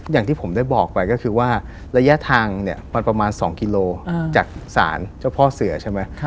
อย่างที่ผมได้บอกไปก็คือว่าระยะทางเนี่ยมันประมาณ๒กิโลจากศาลเจ้าพ่อเสือใช่ไหม